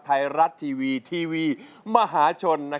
ไทยรัฐทีวีทีวีมหาชน